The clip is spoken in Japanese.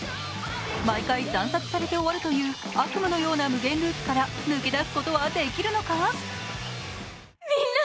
毎回、惨殺されて終わるという悪夢のような無限ループから抜け出すことはできるのか。